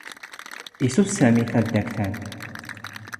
ⵉⵙⵙⵓⵙⵙ ⵙⴰⵎⵉ ⵜⴰⴷⴷⴰⴳⵜ ⴰⵏⵏ.